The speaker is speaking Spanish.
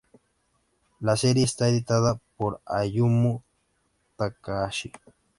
La serie está editada por Ayumu Takahashi.